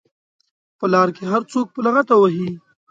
په لار کې هر څوک په لغته وهي.